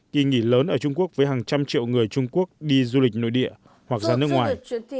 kỳ nghỉ lớn ở trung quốc với hàng trăm triệu người trung quốc đi du lịch nội địa hoặc ra nước ngoài